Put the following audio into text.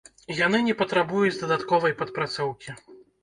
Яны не патрабуюць дадатковай падпрацоўкі.